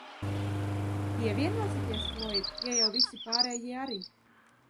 Pievienosieties, Floid, ja jau visi pārējie arī?